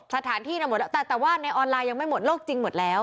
สถานที่นั้นหมดแล้วแต่ว่าในออนไลน์ยังไม่หมดโลกจริงหมดแล้ว